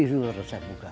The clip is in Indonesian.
itu resep bugarnya